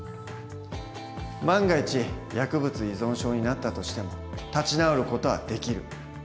万が一薬物依存症になったとしても立ち直る事はできる。